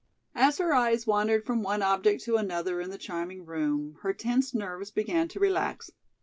As her eyes wandered from one object to another in the charming room, her tense nerves began to relax.